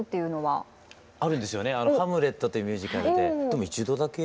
あるんですよね「ハムレット」というミュージカルででも一度だけ。